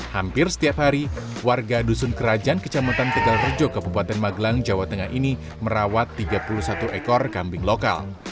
hampir setiap hari warga dusun kerajaan kecamatan tegal rejo kabupaten magelang jawa tengah ini merawat tiga puluh satu ekor kambing lokal